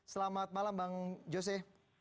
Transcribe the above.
selamat malam bang jose